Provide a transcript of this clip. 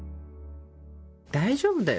大丈夫だよ。